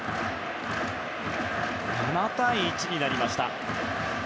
７対１になりました。